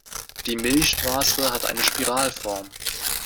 Die Milchstraße hat eine Spiralform.